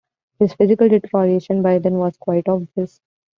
His physical deterioration by then was quite obvious.